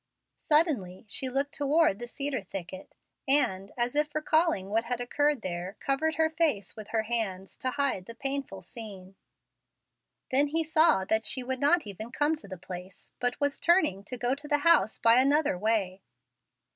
Suddenly she looked toward the cedar thicket, and, as if recalling what had occurred there, covered her face with her hands, to hide the painful scene. Then he saw that she would not even come to the place, but was turning to go to the house by another way.